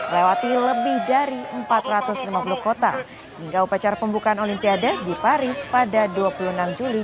lewati lebih dari empat ratus lima puluh kota hingga upacara pembukaan olimpiade di paris pada dua puluh enam juli dua ribu dua